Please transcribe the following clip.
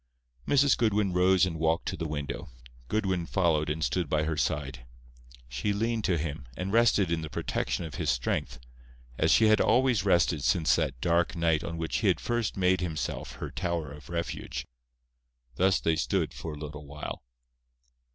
Mrs. Goodwin rose and walked to the window. Goodwin followed and stood by her side. She leaned to him, and rested in the protection of his strength, as she had always rested since that dark night on which he had first made himself her tower of refuge. Thus they stood for a little while.